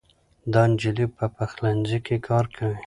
دا نجلۍ په پخلنځي کې کار کوي.